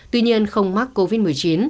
tuy nhiên không mắc covid một mươi chín